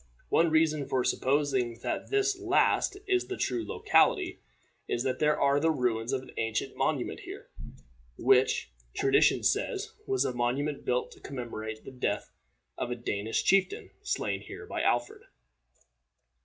One reason for supposing that this last is the true locality is that there are the ruins of an ancient monument here, which, tradition says, was a monument built to commemorate the death of a Danish chieftain slain here by Alfred.